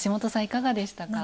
いかがでしたか？